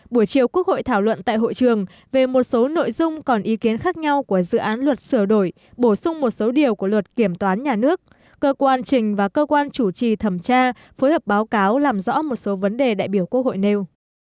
buổi chiều quốc hội thảo luận tại hội trường về một số nội dung còn ý kiến khác nhau của dự án luật sửa đổi bổ sung một số điều của luật kiểm toán nhà nước cơ quan trình và cơ quan chủ trì thẩm tra phối hợp báo cáo làm rõ một số vấn đề đại biểu quốc hội nêu